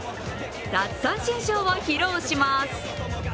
奪三振ショーを披露します。